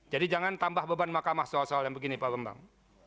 jadi jangan tambah beban mahkamah soal soal yang begini pak bambang